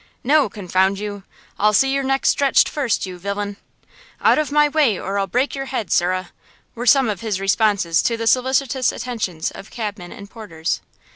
"No, confound you!" "I'll see your neck stretched first, you villain!" "Out of my way, or I'll break your head, sirrah!" were some of his responses to the solicitous attentions of cabmen and porters.